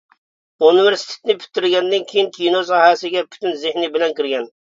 ئۇنىۋېرسىتېتنى پۈتتۈرگەندىن كېيىن كىنو ساھەسىگە پۈتۈن زېھنى بىلەن كىرگەن.